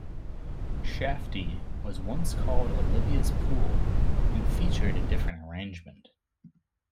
"Shafty" was once called "Olivia's Pool", and featured a different arrangement.